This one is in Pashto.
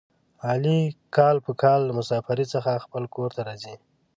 علي کال په کال له مسافرۍ څخه خپل کورته راځي.